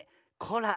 こら。